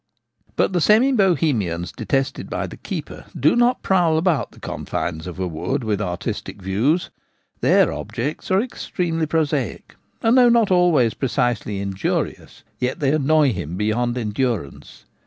133 But the semi Bohemians detested by the keeper do not prowl about the confines of a wood with artistic views ; their objects are extremely prosaic, and though not always precisely injurious, yet they annoy him beyond endurance.